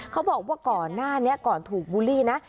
เขาบอกว่าก่อนหน้านี้ก่อนถูกบูลลี่นะ